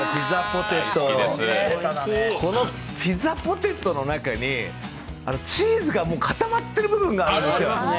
このピザポテトの中にチーズがもう固まっている部分があるんですよ。